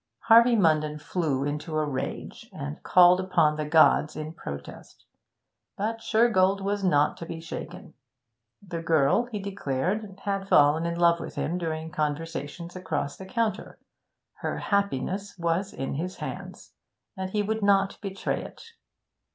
Harvey Munden flew into a rage, and called upon the gods in protest. But Shergold was not to be shaken. The girl, he declared, had fallen in love with him during conversations across the counter; her happiness was in his hands, and he would not betray it.